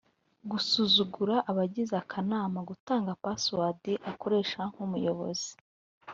gusuzugura abagize akanama gutanga password akoresha nk umuyobozi